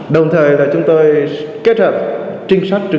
đồng thời là chúng tôi kết hợp trinh sát trực